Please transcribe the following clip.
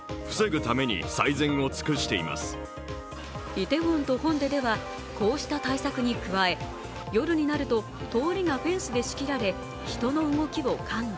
イテウォンとホンデではこうした対策に加え夜になると通りがフェンスで仕切られ人の動きを管理。